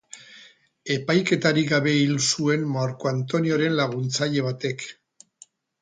Epaiketarik gabe hil zuen Marko Antonioren laguntzaile batek.